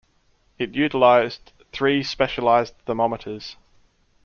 It utilized three specialized thermometers.